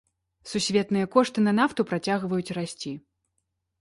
Сусветныя кошты на нафту працягваюць расці.